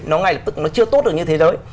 nó ngay là chưa tốt được như thế giới